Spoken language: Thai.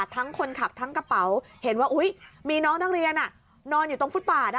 ทั้งคนขับทั้งกระเป๋าเห็นว่ามีน้องนักเรียนนอนอยู่ตรงฟุตปาด